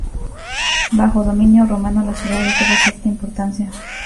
Bajo dominio romano la ciudad tuvo cierta importancia.